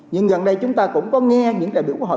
nhưng gần đây chúng ta cũng có nghe những đại biểu của họ